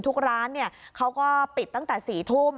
ทุกร้านเขาก็ปิดตั้งแต่๔ทุ่ม